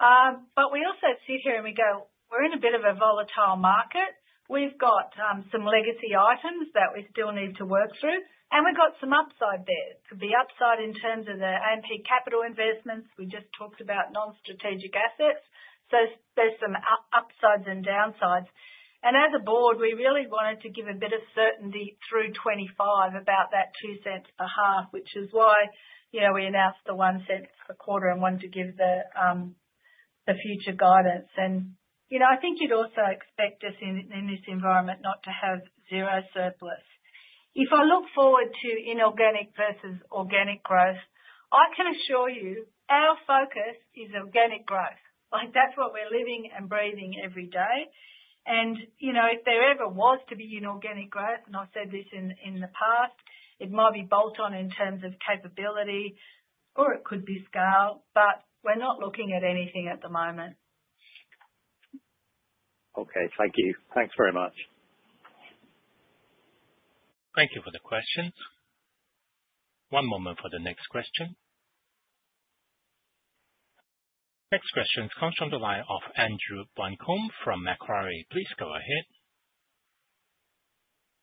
S1: But we also sit here and we go, "We're in a bit of a volatile market. We've got some legacy items that we still need to work through, and we've got some upside there." The upside in terms of the AMP Capital investments, we just talked about non-strategic assets. So there's some upsides and downsides. And as a board, we really wanted to give a bit of certainty through 2025 about that 0.02 per half, which is why we announced the 0.01 per quarter and wanted to give the future guidance. I think you'd also expect us in this environment not to have zero surplus. If I look forward to inorganic versus organic growth, I can assure you our focus is organic growth. That's what we're living and breathing every day. And if there ever was to be inorganic growth, and I've said this in the past, it might be bolt-on in terms of capability, or it could be scale. But we're not looking at anything at the moment.
S7: Okay. Thank you. Thanks very much.
S3: Thank you for the questions. One moment for the next question. Next questions come from the line of Andrew Buncombe from Macquarie. Please go ahead.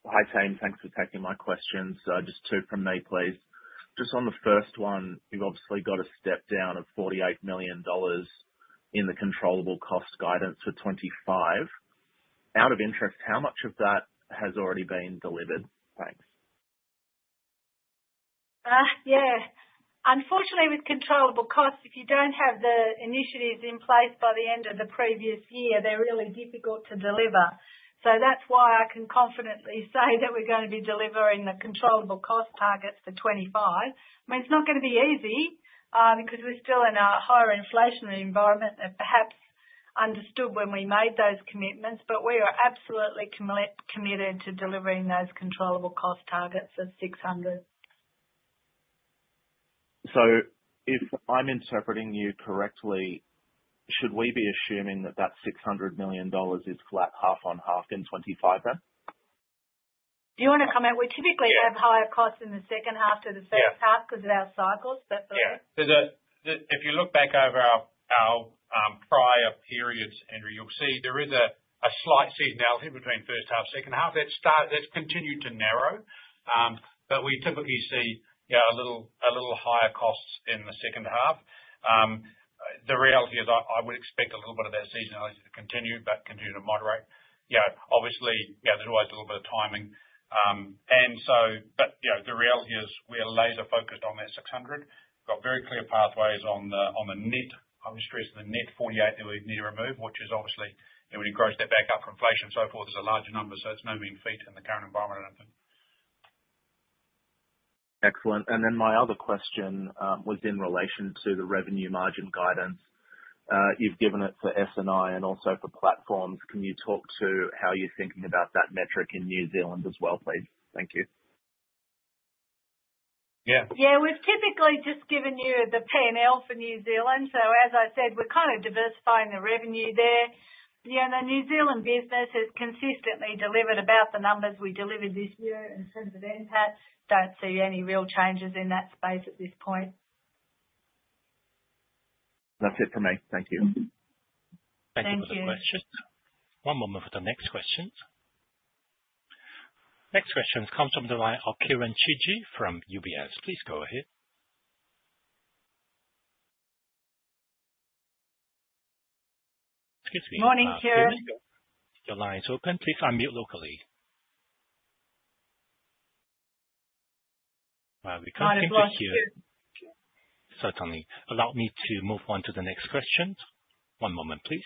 S3: Hi, team.
S8: Thanks for taking my questions. Just two from me, please. Just on the first one, we've obviously got a step down of 48 million dollars in the controllable cost guidance for 2025. Out of interest, how much of that has already been delivered? Thanks.
S1: Yeah. Unfortunately, with controllable costs, if you don't have the initiatives in place by the end of the previous year, they're really difficult to deliver. So that's why I can confidently say that we're going to be delivering the controllable cost targets for 2025. I mean, it's not going to be easy because we're still in a higher inflationary environment that perhaps understood when we made those commitments, but we are absolutely committed to delivering those controllable cost targets of 600.
S8: So if I'm interpreting you correctly, should we be assuming that that 600 million dollars is flat half on half in 2025 then?
S1: Do you want to come out? We typically have higher costs in the second half to the first half because of our cycles.
S2: But yeah. If you look back over our prior periods, Andrew, you'll see there is a slight seasonality between first half, second half. That's continued to narrow. But we typically see a little higher costs in the second half. The reality is I would expect a little bit of that seasonality to continue, but continue to moderate. Obviously, there's always a little bit of timing. And so, but the reality is we are laser-focused on that 600. We've got very clear pathways on the net, I would stress, the net 48 that we need to remove, which is obviously, when you gross that back up for inflation and so forth, there's a larger number. So it's no mean feat in the current environment, I think.
S8: Excellent. And then my other question was in relation to the revenue margin guidance. You've given it for S&I and also for platforms. Can you talk to how you're thinking about that metric in New Zealand as well, please? Thank you.
S2: Yeah.
S1: Yeah. We've typically just given you the P&L for New Zealand. So as I said, we're kind of diversifying the revenue there. The New Zealand business has consistently delivered about the numbers we delivered this year in terms of impact. Don't see any real changes in that space at this point.
S8: That's it from me. Thank you.
S3: Thank you for the questions. One moment for the next questions. Next questions come from the line of Kieren Chidgey from UBS. Please go ahead. Excuse me.
S1: Morning, Kieren.
S3: Your line is open. Please unmute locally. While we continue to hear. Certainly. Allow me to move on to the next questions. One moment, please.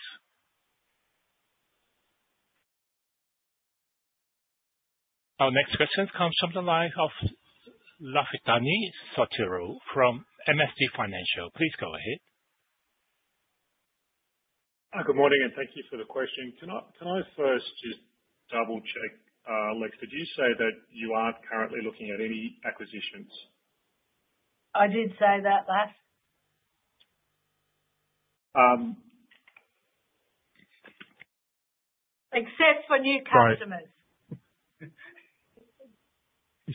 S3: Our next questions come from the line of Lafitani Sotiriou from MST Financial. Please go ahead.
S9: Hi, good morning, and thank you for the question. Can I first just double-check, Lex, did you say that you aren't currently looking at any acquisitions?
S1: I did say that Laf. Except for new customers.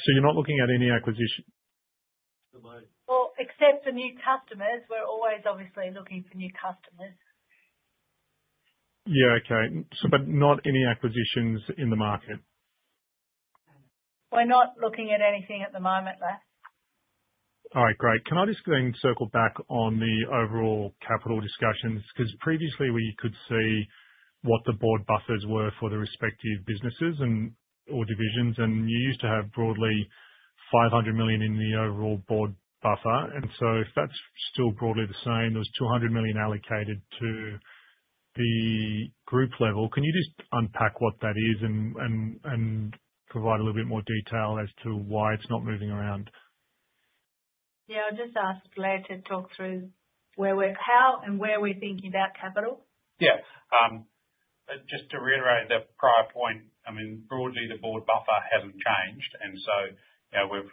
S9: So you're not looking at any acquisition?
S1: Well, except for new customers, we're always obviously looking for new customers.
S9: Yeah, okay. But not any acquisitions in the market?
S1: We're not looking at anything at the moment, Laf.
S9: All right, great. Can I just then circle back on the overall capital discussions? Because previously, we could see what the board buffers were for the respective businesses or divisions, and you used to have broadly 500 million in the overall board buffer. And so if that's still broadly the same, there was 200 million allocated to the group level. Can you just unpack what that is and provide a little bit more detail as to why it's not moving around?
S1: Yeah. I'll just ask Blair to talk through how and where we're thinking about capital.
S2: Yeah. Just to reiterate the prior point, I mean, broadly, the board buffer hasn't changed. And so we're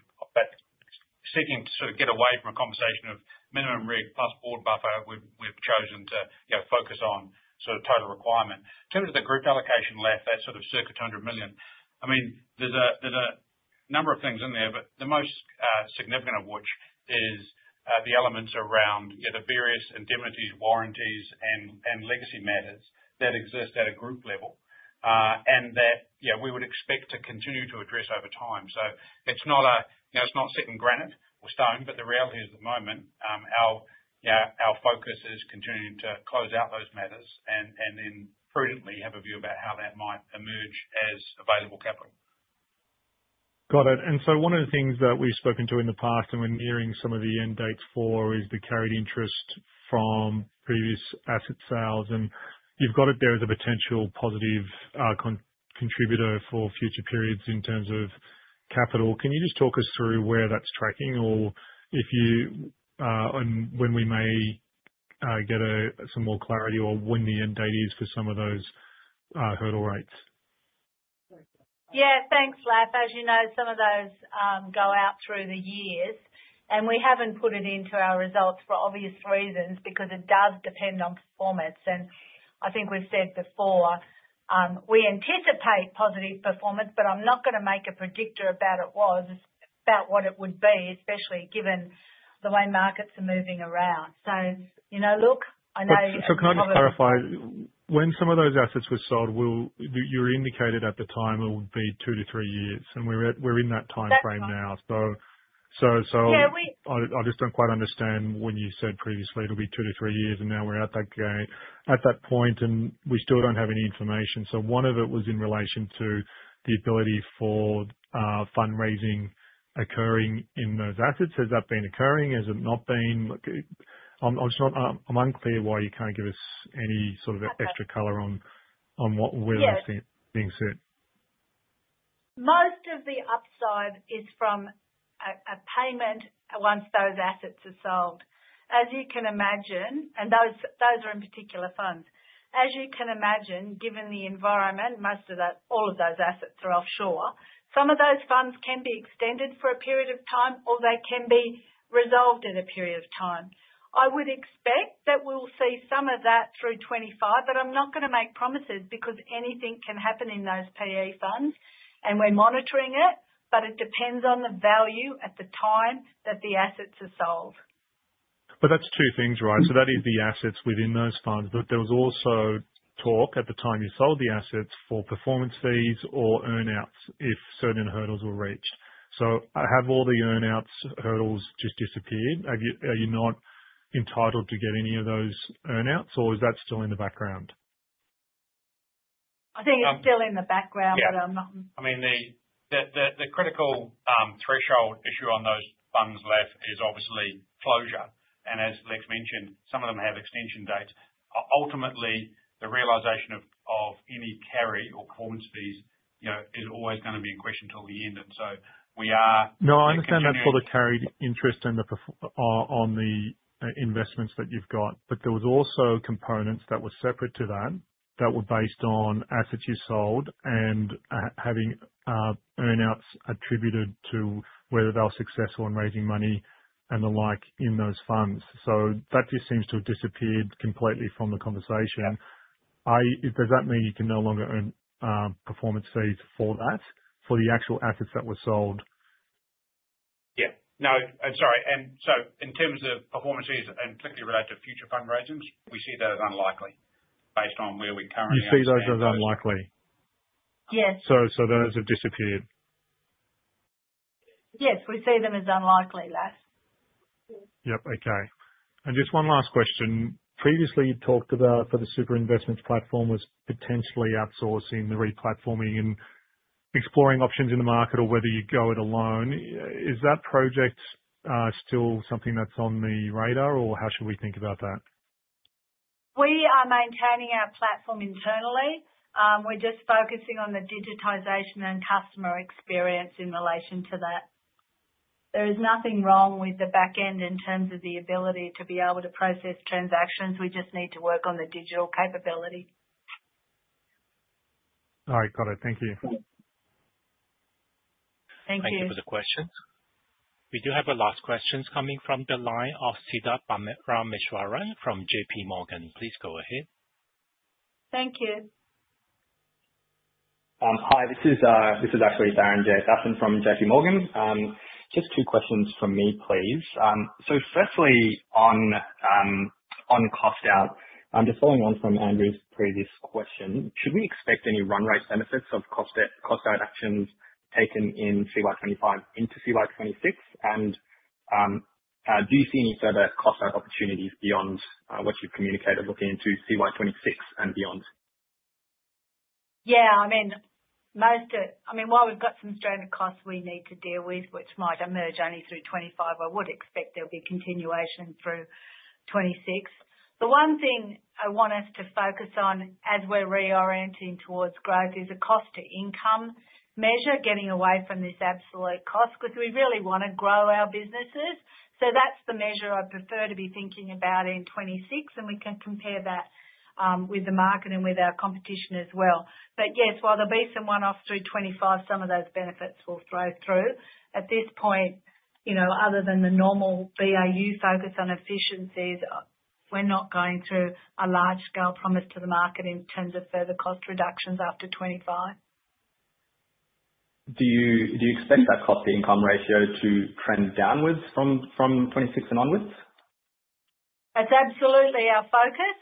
S2: seeking to sort of get away from a conversation of minimum risk plus board buffer. We've chosen to focus on sort of total requirement. In terms of the group allocation, Blair, that sort of circa 200 million, I mean, there's a number of things in there, but the most significant of which is the elements around the various indemnities, warranties, and legacy matters that exist at a group level. And that we would expect to continue to address over time. So it's not, it's not set in granite or stone, but the reality is at the moment, our focus is continuing to close out those matters and then prudently have a view about how that might emerge as available capital.
S9: Got it. And so one of the things that we've spoken to in the past, and we're nearing some of the end dates for, is the carried interest from previous asset sales. And you've got it there as a potential positive contributor for future periods in terms of capital. Can you just talk us through where that's tracking or if you and when we may get some more clarity or when the end date is for some of those hurdle rates?
S1: Yeah. Thanks, Laf. As you know, some of those go out through the years. And we haven't put it into our results for obvious reasons because it does depend on performance. And I think we've said before, we anticipate positive performance, but I'm not going to make a prediction about it, about what it would be, especially given the way markets are moving around. So look, I know.
S9: So can I just clarify? When some of those assets were sold, you indicated at the time it would be two to three years. And we're in that time frame now. So I just don't quite understand when you said previously it'll be two to three years, and now we're at that point, and we still don't have any information. So one of it was in relation to the ability for fundraising occurring in those assets. Has that been occurring? Has it not been? I'm unclear why you can't give us any sort of extra color on where that's being set.
S1: Most of the upside is from a payment once those assets are sold. As you can imagine, and those are in particular funds. As you can imagine, given the environment, most of all of those assets are offshore. Some of those funds can be extended for a period of time, or they can be resolved in a period of time. I would expect that we'll see some of that through 2025, but I'm not going to make promises because anything can happen in those PE funds, and we're monitoring it, but it depends on the value at the time that the assets are sold.
S9: But that's two things, right? So that is the assets within those funds, but there was also talk at the time you sold the assets for performance fees or earnouts if certain hurdles were reached. So have all the earnouts hurdles just disappeared? Are you not entitled to get any of those earnouts, or is that still in the background?
S1: I think it's still in the background, but I'm not.
S2: Yeah. I mean, the critical threshold issue on those funds, Lex, is obviously closure. And as Lex mentioned, some of them have extension dates. Ultimately, the realization of any carry or performance fees is always going to be in question till the end. And so we are looking at.
S9: No, I understand that for the carried interest on the investments that you've got, but there was also components that were separate to that that were based on assets you sold and having earnouts attributed to whether they're successful in raising money and the like in those funds. So that just seems to have disappeared completely from the conversation. Does that mean you can no longer earn performance fees for that, for the actual assets that were sold?
S2: Yeah. No. I'm sorry. And so in terms of performance fees and particularly related to future fundraisings, we see those unlikely based on where we currently are in the market.
S9: You see those as unlikely?
S1: Yes.
S9: So those have disappeared?
S1: Yes. We see them as unlikely, Laf.
S9: Yep. Okay. And just one last question. Previously, you talked about for the super investments platform was potentially outsourcing the replatforming and exploring options in the market or whether you go it alone. Is that project still something that's on the radar, or how should we think about that?
S1: We are maintaining our platform internally. We're just focusing on the digitization and customer experience in relation to that. There is nothing wrong with the backend in terms of the ability to be able to process transactions. We just need to work on the digital capability.
S9: All right. Got it. Thank you.
S1: Thank you.
S3: Thank you for the questions. We do have the last questions coming from the line of Siddharth Parameswaran from JPMorgan. Please go ahead.
S1: Thank you.
S10: Hi, this i s actually Siddharth from JPMorgan. Just two questions from me, please. So firstly, on cost out, just following on from Andrew's previous question, should we expect any run rate benefits of cost out actions taken in CY 2025 into CY 2026? And do you see any further cost out opportunities beyond what you've communicated looking into CY 2026 and beyond?
S1: Yeah. I mean, I mean, while we've got some strain of costs we need to deal with, which might emerge only through 2025, I would expect there'll be continuation through 2026. The one thing I want us to focus on as we're reorienting towards growth is a cost-to-income measure, getting away from this absolute cost because we really want to grow our businesses. So that's the measure I'd prefer to be thinking about in 2026, and we can compare that with the market and with our competition as well. But yes, while there'll be some one-offs through 2025, some of those benefits will flow through. At this point, other than the normal BAU focus on efficiencies, we're not making a large-scale promise to the market in terms of further cost reductions after 2025.
S10: Do you expect that cost-to-income ratio to trend downwards from 2026 and onwards?
S1: That's absolutely our focus.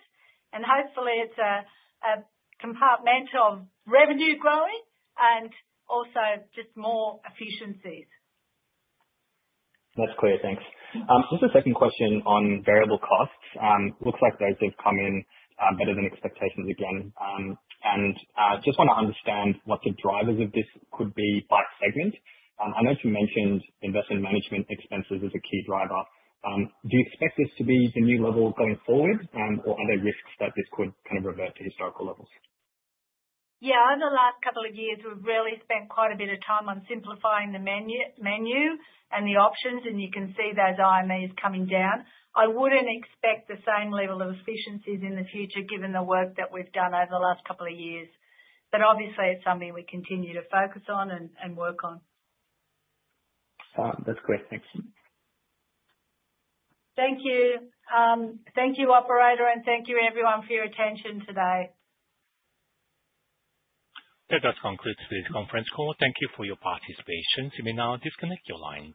S1: And hopefully, it's complementary revenue growing and also just more efficiencies.
S10: That's clear. Thanks. Just a second question on variable costs. Looks like those have come in better than expectations again. And just want to understand what the drivers of this could be by segment. I know you mentioned investment management expenses as a key driver. Do you expect this to be the new level going forward, or are there risks that this could kind of revert to historical levels?
S1: Yeah. Over the last couple of years, we've really spent quite a bit of time on simplifying the menu and the options, and you can see those IMEs coming down. I wouldn't expect the same level of efficiencies in the future given the work that we've done over the last couple of years. But obviously, it's something we continue to focus on and work on.
S10: That's great. Thanks.
S1: Thank you. Thank you, operator, and thank you, everyone, for your attention today.
S3: That does conclude today's conference call. Thank you for your participation. You may now disconnect your line.